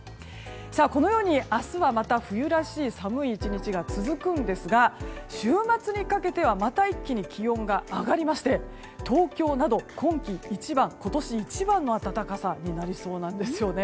このように明日は冬らしい寒い１日が続くんですが週末にかけてはまた一気に気温が上がりまして東京など今季一番今年一番の暖かさになりそうなんですよね。